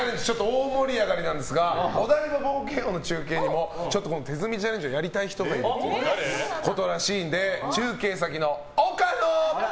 大盛り上がりなんですがお台場冒険王の中継にも手積みチャレンジをやりたい人がいるということらしいので中継先の岡野！